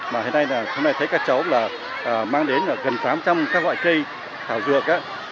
mà hiện nay là hôm nay thấy các cháu là mang đến gần tám trăm linh các loại cây thảo dược